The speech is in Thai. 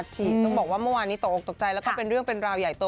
ที่ต้องบอกว่าเมื่อวานนี้ตกออกตกใจแล้วก็เป็นเรื่องเป็นราวใหญ่โต